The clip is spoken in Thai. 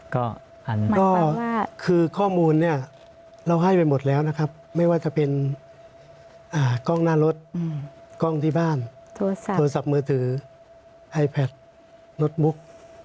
ก็คือข้อมูลเนี่ยเราให้ไปหมดแล้วนะครับไม่ว่าจะเป็นกล้องหน้ารถกล้องที่บ้านโทรศัพท์มือถือไอแพทโน้ตบุ๊ก